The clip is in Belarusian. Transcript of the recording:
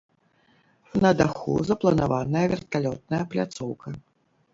На даху запланаваная верталётная пляцоўка.